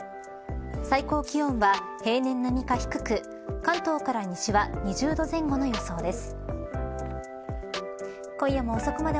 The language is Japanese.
最高気温は平年並みか低く関東から西は２０度前後の予想です。